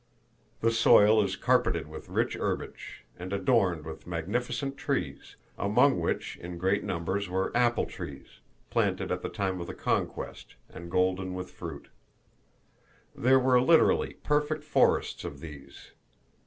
The soil is carpeted with rich herbage, and adorned with magnificent trees, among which, in great numbers, were apple trees, planted at the time of the conquest, and golden with fruit. There were literally, perfect forests of these.